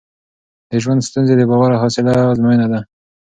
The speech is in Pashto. د ژوند ستونزې د باور او حوصله ازموینه ده.